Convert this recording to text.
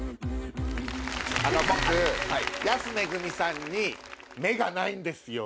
僕安めぐみさんに目がないんですよ。